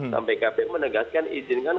sampai kpu menegaskan izinkan